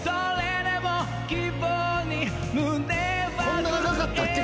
こんな長かったっけ！？